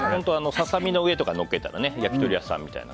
ささ身の上にのっけたら焼き鳥屋さんみたいな。